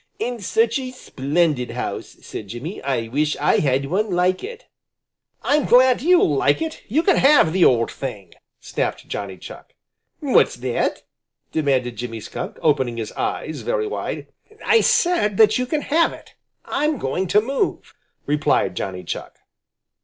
"And such a splendid house!" said Jimmy. "I wish I had one like it." "I'm glad you like it! You can have the old thing!" snapped Johnny Chuck. "What's that?" demanded Jimmy Skunk, opening his eyes very wide. "I said that you can have it. I'm going to move," replied Johnny Chuck.